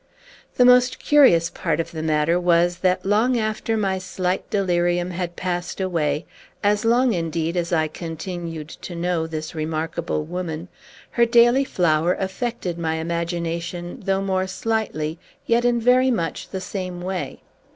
The most curious part of the matter was that, long after my slight delirium had passed away, as long, indeed, as I continued to know this remarkable woman, her daily flower affected my imagination, though more slightly, yet in very much the same way.